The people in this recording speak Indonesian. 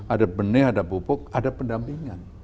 ada benih ada pupuk ada pendampingan